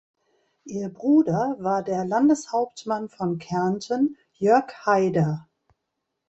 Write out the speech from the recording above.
Ihr Bruder war der Landeshauptmann von Kärnten, Jörg Haider.